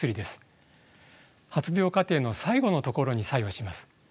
発病過程の最後のところに作用します。